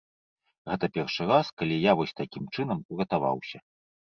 Гэта першы раз, калі я вось такім чынам уратаваўся.